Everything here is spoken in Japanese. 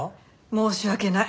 申し訳ない。